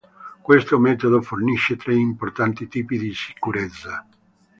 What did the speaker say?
Questo metodo fornisce tre importanti tipi di sicurezza.